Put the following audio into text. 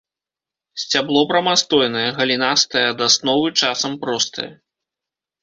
Сцябло прамастойнае, галінастае ад асновы, часам простае.